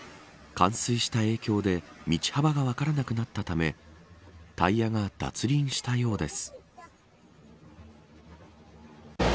冠水した影響で道幅が分からなくなったためタイヤが脱輪したようです。